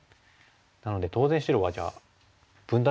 なので当然白はじゃあ分断してきます。